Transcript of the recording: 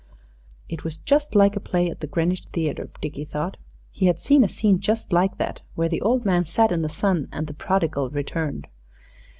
It was just like a play at the Greenwich Theatre, Dickie thought. He had seen a scene just like that, where the old man sat in the sun and the Prodigal returned.